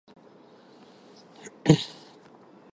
Կլիման չոր է, ցամաքային։